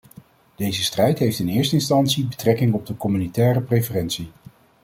Deze strijd heeft in eerste instantie betrekking op de communautaire preferentie.